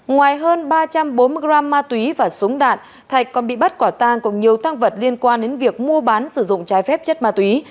ngoài hơn ba trăm bốn mươi gram ma túy và súng đạn thạch còn bị bắt quả tàng của nhiều thang vật liên quan đến việc mua bán sử dụng trái phép chất ma túy